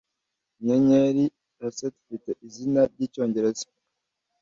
Inyenyeri Lacerta ifite izina ry'icyongereza